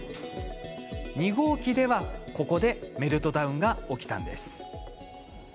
２号機では、ここでメルトダウンが起きました。